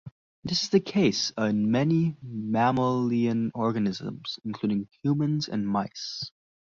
This is the case in many mammalian organisms, including humans and mice.